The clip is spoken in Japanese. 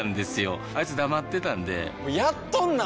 あいつ黙ってたんでやっとんなー！